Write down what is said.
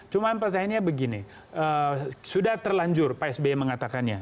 cuma pertanyaannya begini sudah terlanjur psb mengatakannya